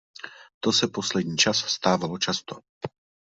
To se poslední čas stávalo často.